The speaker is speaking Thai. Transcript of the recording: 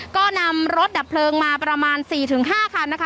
ก็นำรถดับเพลิงมาประมาณ๔๕คันนะคะ